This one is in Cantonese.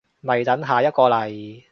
咪等下一個嚟